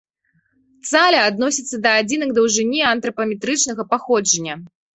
Цаля адносіцца да адзінак даўжыні антрапаметрычнага паходжання.